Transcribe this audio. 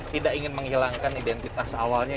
tidak ingin menghilangkan identitas awalnya